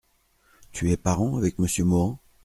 Tu es parent avec monsieur Mohan ?